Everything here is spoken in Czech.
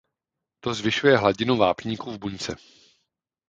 To zvyšuje hladinu vápníku v buňce.